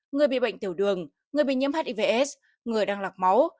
người bị bệnh tiểu đường người bị nhiễm hivs người đang lọc máu